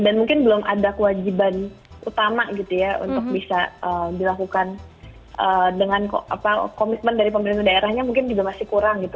dan mungkin belum ada kewajiban utama gitu ya untuk bisa dilakukan dengan komitmen dari pemerintah daerahnya mungkin juga masih kurang gitu